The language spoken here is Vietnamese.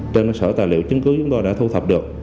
trên sở tài liệu chứng cứ chúng ta đã thu thập được